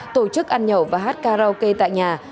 tổ chức ăn nhậu và hát karaoke tại nhà